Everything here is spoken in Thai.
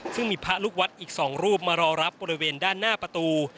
ซึ่งมีพระลูกวัดอีก๒รูปมารอรับบริเวณด้านหน้าประตู